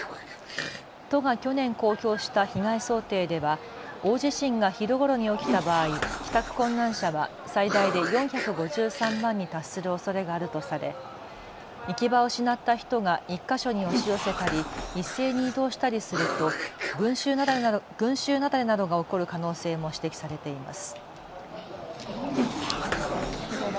都が去年公表した被害想定では大地震が昼ごろに起きた場合、帰宅困難者は最大で４５３万に達するおそれがあるとされ行き場を失った人が１か所に押し寄せたり一斉に移動したりすると群集雪崩などが起こる可能性も指摘されています。